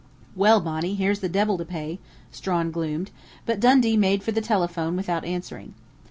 "Well, Bonnie, here's the devil to pay," Strawn gloomed, but Dundee made for the telephone without answering.